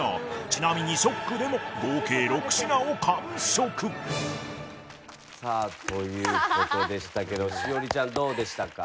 ちなみにショックでも合計６品を完食さあという事でしたけど栞里ちゃんどうでしたか？